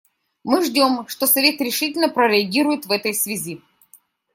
Мы ждем, что Совет решительно прореагирует в этой связи.